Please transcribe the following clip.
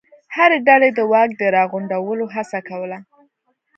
هرې ډلې د واک د راغونډولو هڅه کوله.